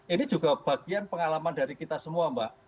ini juga bagian pengalaman dari kita semua mbak